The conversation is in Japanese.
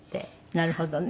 なるほどね。